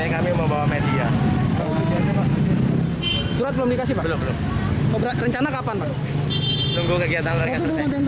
kalian datang pikirnya kami mau bawa media